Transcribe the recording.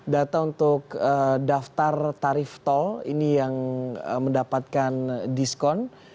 data untuk daftar tarif tol ini yang mendapatkan diskon